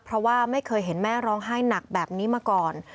เพราะว่าไม่เคยเห็นแม่ร้องไห้หนักแบบนี้มาก่อน